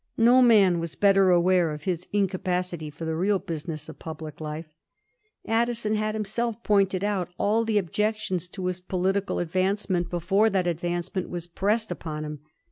No man was better aware of his incapacity for the real business of public life. Addison had himself pointed out all the objections to his political advancement before that advancement was pressed upon him.